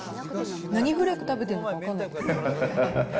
何フレーク食べてるのか分かんないですね。